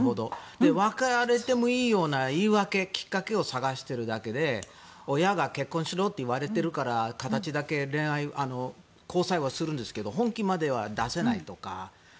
別れていいと思えるような言い訳、きっかけを探してるだけで親に結婚しろって言われてるから形だけ交際はするんですけど本気までは出せないとか。